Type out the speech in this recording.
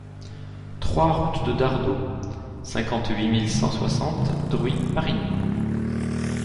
trois route de Dardault, cinquante-huit mille cent soixante Druy-Parigny